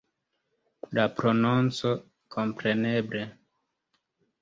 La prononco, kompreneble.